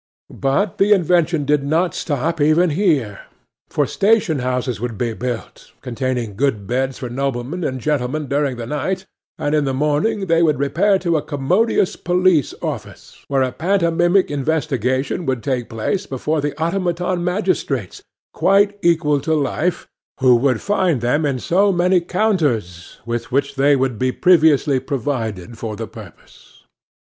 But the invention did not stop even here; for station houses would be built, containing good beds for noblemen and gentlemen during the night, and in the morning they would repair to a commodious police office, where a pantomimic investigation would take place before the automaton magistrates,—quite equal to life,—who would fine them in so many counters, with which they would be previously provided for the purpose.